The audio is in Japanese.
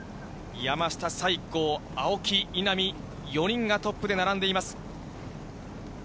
山下、西郷、青木、稲見、４人がトップで並んでいます。